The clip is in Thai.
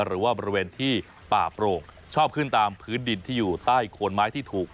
หรือว่าบริเวณที่ป่าโปร่งชอบขึ้นตามพื้นดินที่อยู่ใต้โคนไม้ที่ถูก